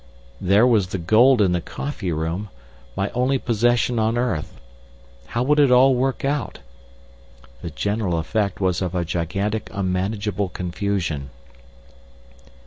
There was the gold in the coffee room—my only possession on earth. How would it all work out? The general effect was of a gigantic unmanageable confusion.